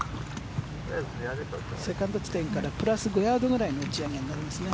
セカンド地点からプラス５ヤードくらいの打ち上げになりますね。